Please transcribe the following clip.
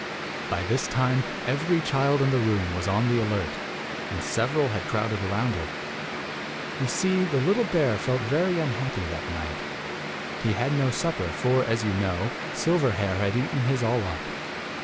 By this time, every child in the room was on the alert, and several had crowded round her. 5 "You see, the little bear felt very unhappy that night. He had no supper, for, as you know, Silverhair had eaten his all up.